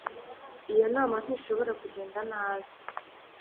Iyo nama ntishobora kugenda nabi